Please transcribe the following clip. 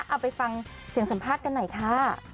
เอาไปฟังเสียงสัมภาษณ์กันหน่อยค่ะ